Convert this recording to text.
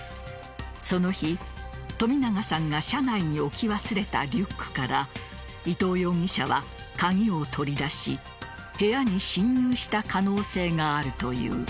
その日、冨永さんが車内に置き忘れたリュックから伊藤容疑者が鍵を取り出し部屋に侵入した可能性があるという。